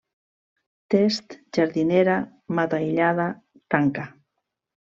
Test, jardinera, mata aïllada, tanca.